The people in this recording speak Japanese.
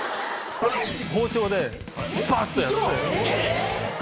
包丁でスパっ！とやって。